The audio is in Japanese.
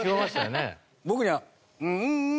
僕には。